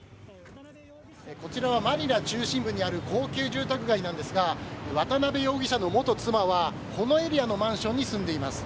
こちらはマニラ中心部にある高級住宅街なんですが渡辺容疑者の元妻はこのエリアのマンションに住んでいます。